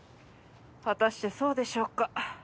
果たしてそうでしょうか。